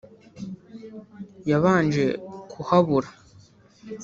yabanje kuhabura